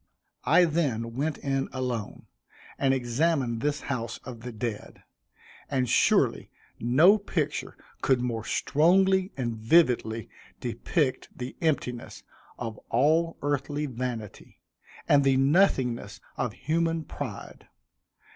I then went in alone, and examined this house of the dead, and surely no picture could more strongly and vividly depict the emptiness of all earthly vanity, and the nothingness of human pride.